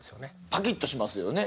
パキッとしますよね